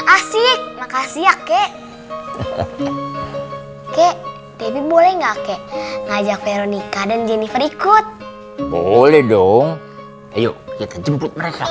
asyik makasih ya kek kek boleh nggak ngajak veronica dan jennifer ikut boleh dong ayo kita jemput mereka yuk